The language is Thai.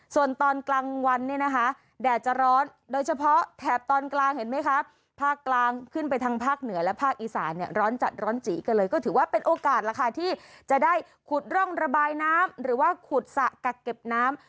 ส่วนตอนกลางวันเนี่ยนะคะแดดจะร้อนโดยเฉพาะแถบตอนกลางเห็นไหมครับภาคกลางขึ้นไปทางภาคเหนือและภาคอีสานเนี่ยร้อนจัดร้อนจีกันเลยก็ถือว่าเป็นโอกาสล่ะค่ะที่จะได้ขุดร่องระบายน้ำหรือว่าขุดสระกักเก็บน้ำ